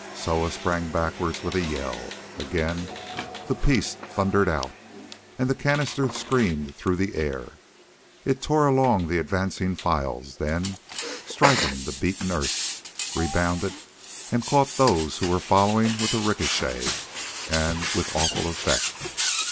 Soa sprang backwards with a yell: again the piece thundered out, and the canister screamed through the air. It tore along the advancing files, then, striking the beaten earth, rebounded and caught those who were following with the ricochet, and with awful effect.